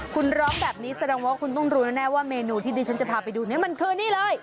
คุณร้องแบบนี้แสดงว่าคุณต้องรู้แน่ว่าเมนูที่ดิฉันจะพาไปดูเนี่ยมันคือนี่เลย